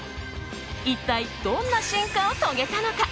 一体どんな進化を遂げたのか。